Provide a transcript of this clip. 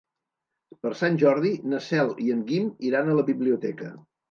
Per Sant Jordi na Cel i en Guim iran a la biblioteca.